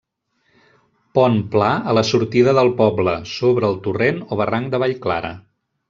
Pont pla a la sortida del poble, sobre el torrent o barranc de Vallclara.